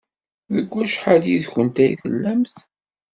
Deg wacḥal yid-went ay tellamt?